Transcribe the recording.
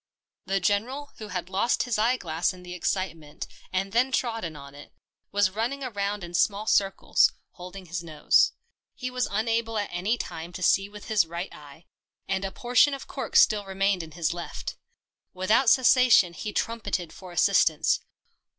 The General, who had lost his eye glass in the excitement and then trodden on it, was running round in small circles, holding his nose. He was unable at any time to see with his right eye, and a portion of cork still remained in his left. Without cessation he trumpeted for assistance.